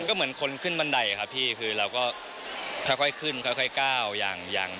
ก็เหมือนคนขึ้นบันไดครับพี่คือเราก็ค่อยขึ้นค่อยก้าวอย่าง